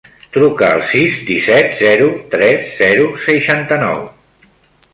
Truca al sis, disset, zero, tres, zero, seixanta-nou.